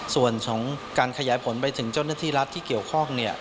ส่วนของการขยายผลไปถึงเจ้าหน้าที่รัฐที่เกี่ยวข้อง